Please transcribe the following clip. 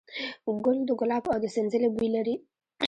ګل د ګلاب او د سنځلې بوی لري.